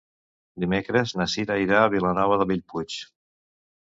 Dimecres na Cira irà a Vilanova de Bellpuig.